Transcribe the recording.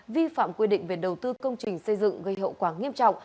vi phạm quy định về đầu tư công trình xây dựng gây hậu quả nghiêm trọng